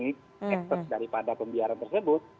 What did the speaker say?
ekses daripada pembiaran tersebut